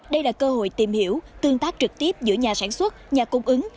đây là cơ hội tìm hiểu tương tác trực tiếp giữa nhà sản xuất nhà cung ứng